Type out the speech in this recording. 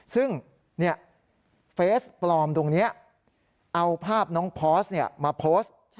ซึ่งเนี่ยเฟสต์ปลอมตรงนี้เอาภาพน้องพอสต์เนี่ยมาโพสต์